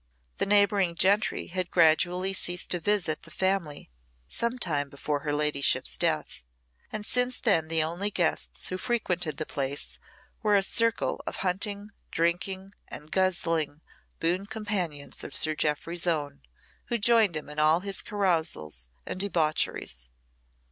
The neighbouring gentry had gradually ceased to visit the family some time before her ladyship's death, and since then the only guests who frequented the place were a circle of hunting, drinking, and guzzling boon companions of Sir Jeoffry's own, who joined him in all his carousals and debaucheries.